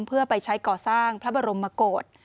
เพื่อไปใช้ก่อสร้างพระบรมโกศ